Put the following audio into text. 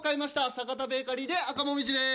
阪田ベーカリーで赤もみじです